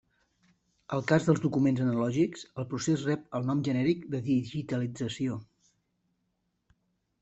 Al cas dels documents analògics, el procés rep el nom genèric de digitalització.